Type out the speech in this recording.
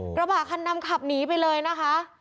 วิบัตินำกลับหนีไปเลยนะคะ